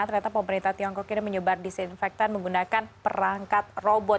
ternyata pemerintah tiongkok ini menyebar disinfektan menggunakan perangkat robot